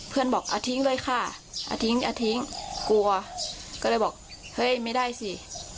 เพื่อนบอกอ่ะทิ้งด้วยค่ะอ่ะทิ้งอ่ะทิ้งกลัวก็เลยบอกเฮ้ยไม่ได้สิ